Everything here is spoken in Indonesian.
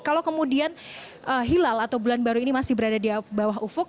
kalau kemudian hilal atau bulan baru ini masih berada di bawah ufuk